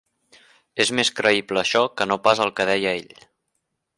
És més creïble això que no pas el que deia ell.